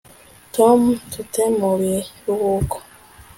Tom tut mu biruhuko